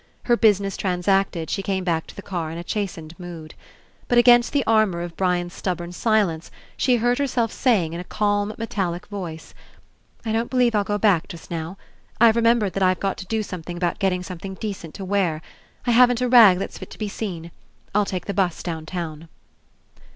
Her business transacted, she came back to the car In a chastened mood. But against the ar mour of Brian's stubborn silence she heard her self saying In a calm, metallic voice: "I don't believe I'll go back just now. I've remembered that I've got to do something about getting something decent to wear. I haven't a rag that's fit to be seen. I'll take the bus downtown."